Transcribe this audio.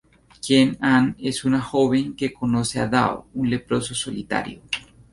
Kien An es una joven que conoce a Dao, un leproso solitario.